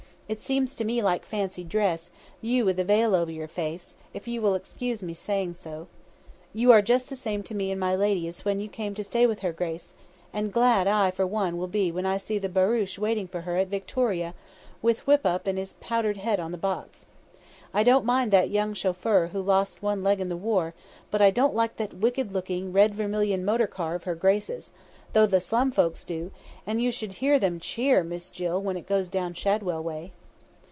It seems to me like fancy dress, you with a veil over your face, if you will excuse me saying so. You are just the same to me and my lady as when you came to stay with her grace; and glad I for one shall be when I see the barouche waiting for her at Victoria, with Whippup and his powdered head on the box. I don't mind that young chauffeur with one leg lost in the war, but I don't like that wicked looking red vermilion motor car of her grace's, though the slum folks do, and you should hear them cheer, Miss Jill, when it goes down Shadwell way."